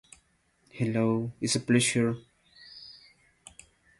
Specific examples of step-by-step guides can be found below in the links section.